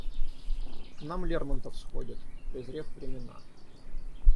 К нам Лермонтов сходит, презрев времена.